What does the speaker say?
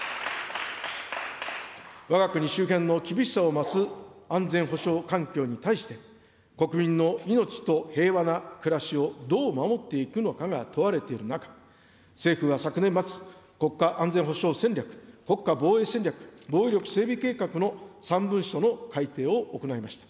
わが国周辺の厳しさを増す、安全保障環境に対して、国民の命と平和な暮らしをどう守っていくのかが問われている中、政府は昨年末、国家安全保障戦略、国家防衛戦略、防衛力整備計画の３文書の改定を行いました。